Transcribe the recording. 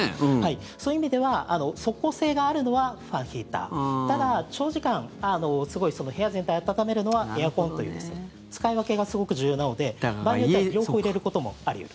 そういう意味では即効性があるのはファンヒーターただ、長時間部屋全体を暖めるのはエアコンという使い分けがすごく重要なので場合によっては両方入れることもあり得る。